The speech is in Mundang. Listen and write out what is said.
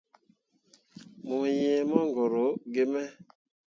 Mo yee mongoro gi me.